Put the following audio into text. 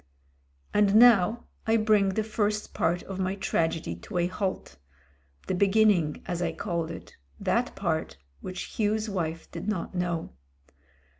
... And now I bring the first part of my tragedy to a halt; the beginning as I called it — that part which Hugh's wife did not know.